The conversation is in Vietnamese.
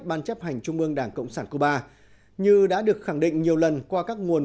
ban chấp hành trung ương đảng cộng sản cuba như đã được khẳng định nhiều lần qua các nguồn